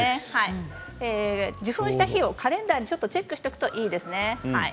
受粉した日をカレンダーでチェックしておくといいですね。